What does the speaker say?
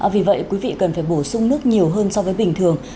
vì vậy quý vị cần phải bổ sung nước nhiều hơn so với bình thường